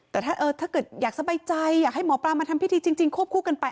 แต่ถ้าเกิดอยากสบายใจอยากให้หมอปลามาทำพิธีจริงควบคู่กันไป